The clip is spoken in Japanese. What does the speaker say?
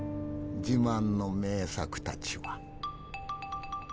自慢の名作たちは。